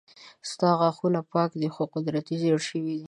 ستا غاښونه پاک دي خو قدرتي زيړ شوي دي